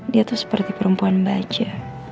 dia tuh seperti perempuan baja